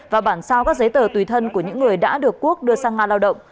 và bản sao các giấy tờ tùy thân của những người đã được quốc đưa sang nga lao động